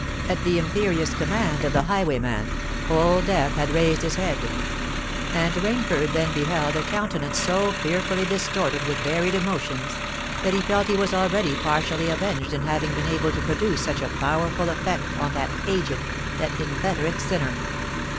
At the imperious command of the highwayman, Old Death had raised his head; and Rainford then beheld a countenance so fearfully distorted with varied emotions, that he felt he was already partially avenged in having been able to produce such a powerful effect on that aged—that inveterate sinner.